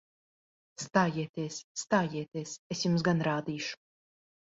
Stājieties! Stājieties! Es jums gan rādīšu!